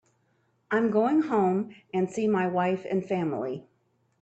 I'm going home and see my wife and family.